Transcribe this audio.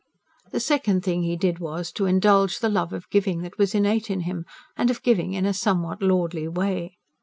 The second thing he did was: to indulge the love of giving that was innate in him; and of giving in a somewhat lordly way.